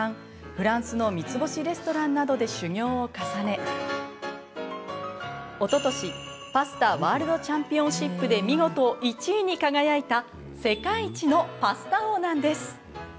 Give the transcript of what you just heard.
フランスの三つ星レストランなどで修業を重ねおととしパスタ・ワールドチャンピオンシップで見事１位に輝いた世界一のパスタ王なんです。